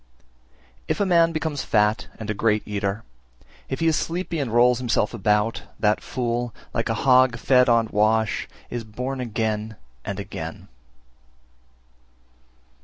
325. If a man becomes fat and a great eater, if he is sleepy and rolls himself about, that fool, like a hog fed on wash, is born again and again.